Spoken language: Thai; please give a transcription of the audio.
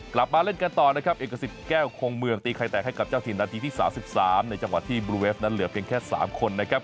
กลับมาเล่นกันต่อนะครับเอกสิทธิ์แก้วคงเมืองตีไข่แตกให้กับเจ้าถิ่นนาทีที่๓๓ในจังหวะที่บลูเวฟนั้นเหลือเพียงแค่๓คนนะครับ